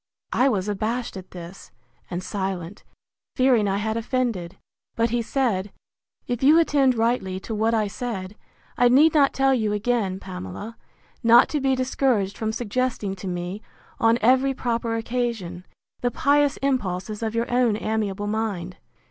I was abashed at this, and silent, fearing I had offended: But he said, If you attend rightly to what I said, I need not tell you again, Pamela, not to be discouraged from suggesting to me, on every proper occasion, the pious impulses of your own amiable mind.